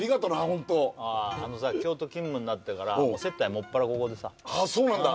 ホントあのさ京都勤務になってから接待もっぱらここでさああそうなんだ